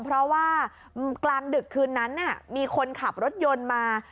เพราะว่ากลางดึกคืนนั้นมีคนขับรถยนต์มา